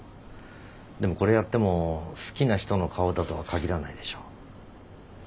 でもこれやっても好きな人の顔だとは限らないでしょ。